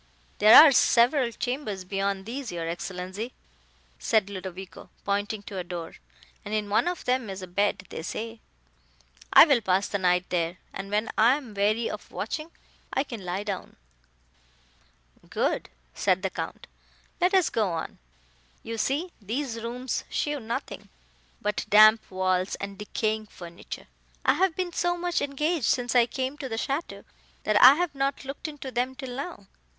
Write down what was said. "There are several chambers beyond these, your Excellenza," said Ludovico, pointing to a door, "and in one of them is a bed, they say. I will pass the night there, and when I am weary of watching, I can lie down." "Good;" said the Count; "let us go on. You see these rooms show nothing, but damp walls and decaying furniture. I have been so much engaged since I came to the château, that I have not looked into them till now.